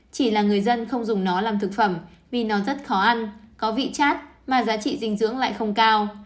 chỉ là người dân không dùng nó làm thực phẩm vì nó rất khó ăn có vị chát mà giá trị dinh dưỡng lại không cao